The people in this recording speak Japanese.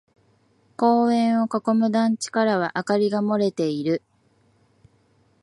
公園を囲む団地からは明かりが漏れている。